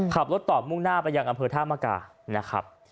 ขับรถตอบมุ่งหน้าไปยังอำเภอท่ามกานะครับ